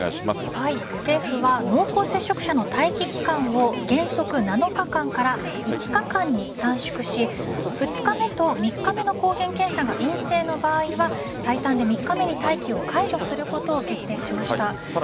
政府は濃厚接触者の待機期間を原則７日間から５日間に短縮し２日目と３日目の抗原検査が陰性の場合は最短で３日目に待機を解除することを決定しました。